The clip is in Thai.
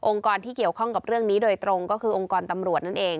กรที่เกี่ยวข้องกับเรื่องนี้โดยตรงก็คือองค์กรตำรวจนั่นเอง